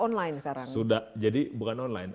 online sekarang sudah jadi bukan online